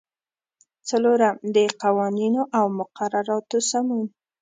څلورم: د قوانینو او مقرراتو سمون.